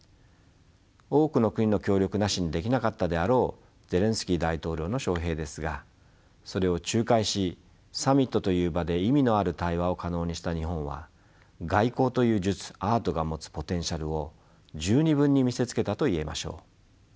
多くの国の協力なしにできなかったであろうゼレンスキー大統領の招聘ですがそれを仲介しサミットという場で意味のある対話を可能にした日本は外交という術アートが持つポテンシャルを十二分に見せつけたと言えましょう。